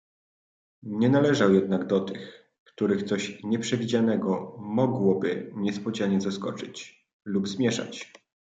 "Nie należał jednak do tych, których coś nieprzewidzianego mogłoby niespodzianie zaskoczyć, lub zmieszać."